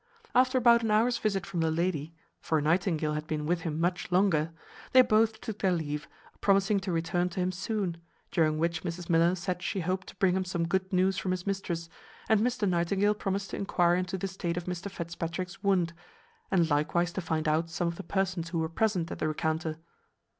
After about an hour's visit from the lady (for Nightingale had been with him much longer), they both took their leave, promising to return to him soon; during which Mrs Miller said she hoped to bring him some good news from his mistress, and Mr Nightingale promised to enquire into the state of Mr Fitzpatrick's wound, and likewise to find out some of the persons who were present at the rencounter.